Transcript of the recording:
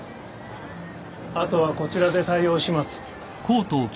・あとはこちらで対応します。